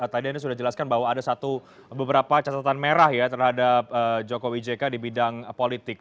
tadi anda sudah jelaskan bahwa ada satu beberapa catatan merah ya terhadap jokowi jk di bidang politik